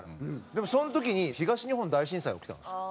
でもその時に東日本大震災が起きたんですよ。